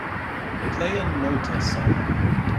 Play a Nóta song